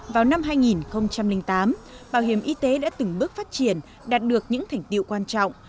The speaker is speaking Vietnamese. vào năm hai nghìn tám bảo hiểm y tế đã từng bước phát triển đạt được những thành tiệu quan trọng